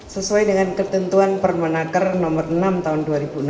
sesuai dengan ketentuan permenaker nomor enam tahun dua ribu enam belas